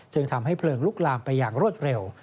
ทำให้เพลิงลุกลามไปอย่างรวดเร็ว